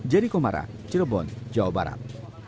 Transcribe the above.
jericho mara cirebon jawa barat